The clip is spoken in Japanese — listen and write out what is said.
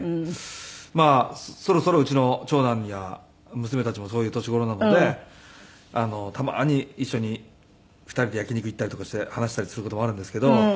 まあそろそろうちの長男や娘たちもそういう年頃なのでたまに一緒に２人で焼き肉行ったりとかして話したりする事もあるんですけど。